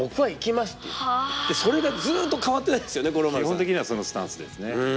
基本的にはそのスタンスですね。